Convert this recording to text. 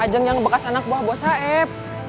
ajeng yang bekas anak buah buah saeb